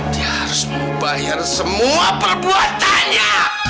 dia harus membayar semua perbuatannya